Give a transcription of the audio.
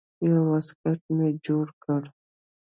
يو واسکټ مې جوړ کړ.